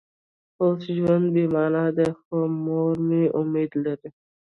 اوس ژوند بې معنا دی خو مور مې امید دی